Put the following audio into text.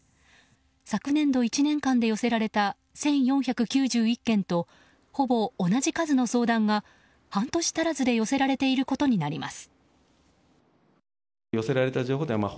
昨年度１年間で寄せられた１４９１件とほぼ同じ数の相談が半年足らずで寄せられていることになります。